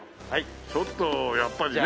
ちょっとやっぱりね。